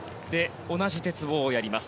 同じ鉄棒をやります。